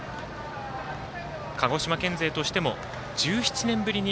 鹿児島県勢としても１７年ぶりに